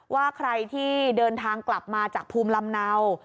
ว่าใครที่เดินทางกลับมาจากภูมิลำเนา